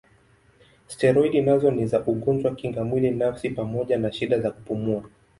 Steroidi nazo ni za ugonjwa kinga mwili nafsi pamoja na shida za kupumua.